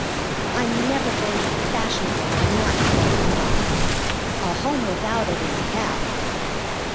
"I'm never going to be fashionable and not care for love. A home without it is hell."